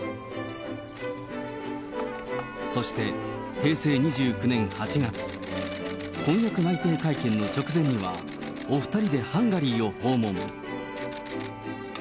そして平成２９年８月、婚約内定会見の直前には、お２人でハンガリーを訪問。